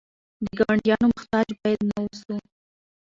د ګاونډیانو محتاج باید نه اوسو.